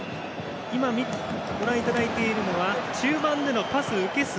今ご覧いただいているのは中盤でのパス受け数。